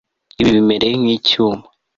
Ibi biremereye nkicyuma